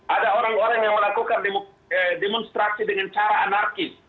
ada orang orang yang melakukan demonstrasi dengan cara anarkis